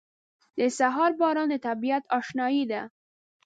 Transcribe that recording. • د سهار باران د طبیعت اشنايي ده.